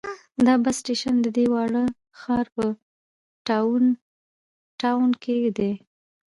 دا بس سټیشن د دې واړه ښار په ډاون ټاون کې دی.